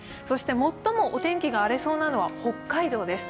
最もお天気が荒れそうなのは北海道です。